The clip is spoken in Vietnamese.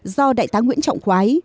do đại tá nguyễn trọng khoái